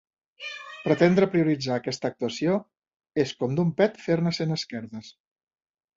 Pretendre prioritzar aquesta actuació és com d'un pet fer-ne cent esquerdes.